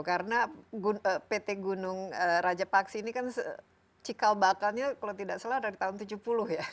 karena pt gunung raja paksi ini kan cikal bakalnya kalau tidak salah dari tahun tujuh puluh ya